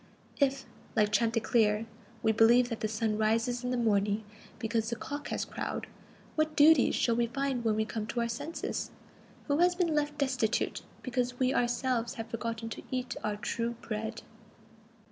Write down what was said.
If, like Chanticleer, we believe that the sun rises in the morning because the cock has crowed, what duties shall we find when we come to our senses? Who has been left destitute, because we ourselves have forgotten "to eat our true bread"?